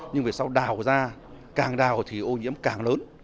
nhưng về sau đào ra càng đào thì ô nhiễm càng lớn